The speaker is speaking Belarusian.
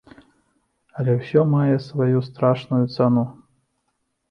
Але ўсё мае сваю страшную цану.